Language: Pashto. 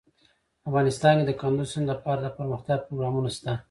افغانستان کې د کندز سیند لپاره دپرمختیا پروګرامونه شته.